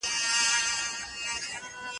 قران کريم د زوجينو تر منځ د نفرت مخه نيسي.